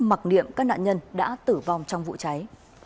mặc niệm các nạn nhân đã tử vong trong vụ cháy